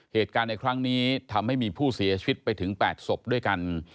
เหตุการณ์ในครั้งนี้ทำให้มีผู้เสียชีวิตไปถึง๘ศพด้วยกัน